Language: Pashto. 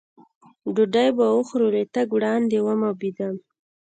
ډوډۍ به وخورو، له تګه وړاندې ومبېدم.